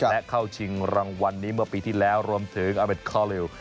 และเข้าชิงรางวัลนี้เมื่อปีที่แล้วรวมถึงอเมดคอลิว